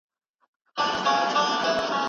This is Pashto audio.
پاسته وېښته ولوېدل